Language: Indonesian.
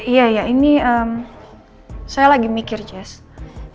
iya ini saya lagi mikir jess